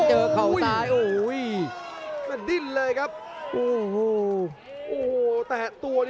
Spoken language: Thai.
ชาเลน์